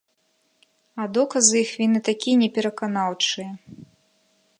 А доказы іх віны такія непераканаўчыя.